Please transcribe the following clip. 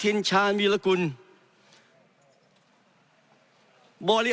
ผมคิดสันต้ายร้ายแรงนะครับ